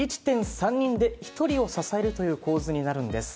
１．３人で１人を支えるという構図になるんです。